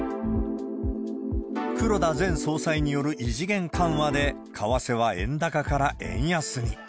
黒田前総裁による異次元緩和で、為替は円高から円安に。